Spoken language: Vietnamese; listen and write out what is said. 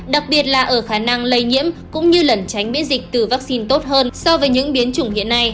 đặc biệt là ở khả năng lây nhiễm cũng như lần tránh miễn dịch từ vaccine tốt hơn so với những biến chủng hiện nay